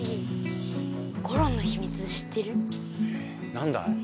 何だい？